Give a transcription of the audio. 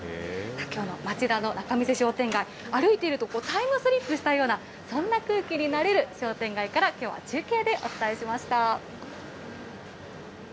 きょうの町田の仲見世商店街、歩いていると、タイムスリップしたような、そんな空気になれる商店街から、きょうは中継でお伝えしました。